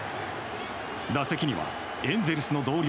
打席にはエンゼルスの同僚